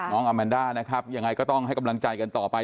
น้องอาแมนด้านะครับยังไงก็ต้องให้กำลังใจกันต่อไป